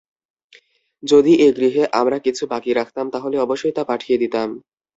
যদি এ গৃহে আমরা কিছু বাকি রাখতাম, তাহলে অবশ্যই তা পাঠিয়ে দিতাম।